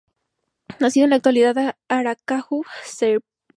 Nacido en la ciudad de Aracaju, Sergipe.